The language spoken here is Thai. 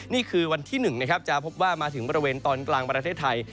นี่คือวันที่๑นะครับจะพบว่ามาถึงบริเวณตอนกลางประเทศไทย